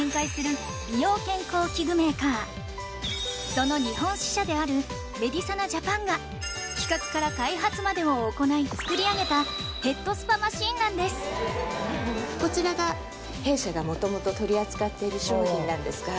その日本支社であるメディサナジャパンが企画から開発までを行い作り上げたヘッドスパマシンなんですこちらが弊社が元々取り扱っている商品なんですが。